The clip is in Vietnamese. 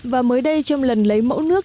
và mới đây trong lần lấy mẫu nước